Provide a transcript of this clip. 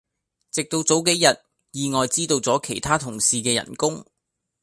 直到早幾日意外知道咗其他同事既人工